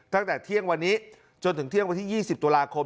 ตั้งแต่เที่ยงวันนี้จนถึงเที่ยงวันที่๒๐ตุลาคม